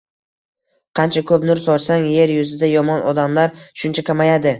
Qancha ko‘p nur sochsang, yer yuzida yomon odamlar shuncha kamayadi.